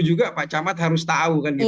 juga pak camat harus tahu